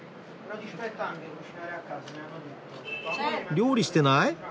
料理してない？